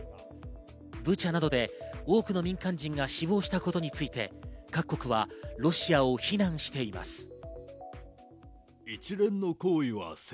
ブチャなどで多くの民間人が死亡したことについて各国はロシアを非難しています。